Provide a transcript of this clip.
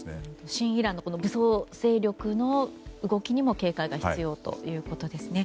親イランの武装勢力の動きにも警戒が必要ということですね。